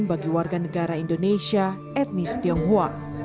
bagi warga negara indonesia etnis tionghoa